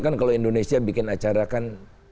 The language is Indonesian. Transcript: kan kalau indonesia bikin acara kan